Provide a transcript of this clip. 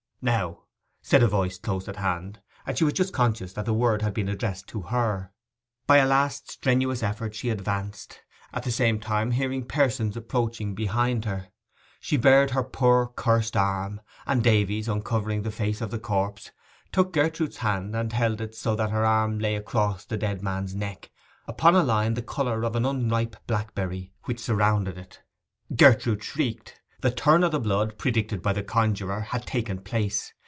'Now!' said a voice close at hand, and she was just conscious that the word had been addressed to her. By a last strenuous effort she advanced, at the same time hearing persons approaching behind her. She bared her poor curst arm; and Davies, uncovering the face of the corpse, took Gertrude's hand, and held it so that her arm lay across the dead man's neck, upon a line the colour of an unripe blackberry, which surrounded it. Gertrude shrieked: 'the turn o' the blood,' predicted by the conjuror, had taken place.